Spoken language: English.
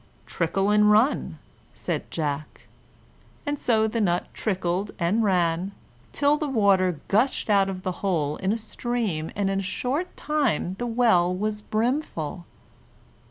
"Trickle and run," said Jack, and so the nut trickled and ran, till the water gushed out of the hole in a stream, and in a short time the well was brimful.